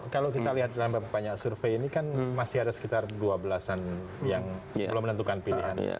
kalau kita lihat dalam banyak survei ini kan masih ada sekitar dua belas an yang belum menentukan pilihan